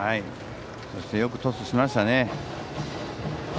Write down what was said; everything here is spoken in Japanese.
そしてよくトスしましたね。